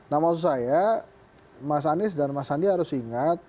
nah maksud saya mas anies dan mas sandi harus ingat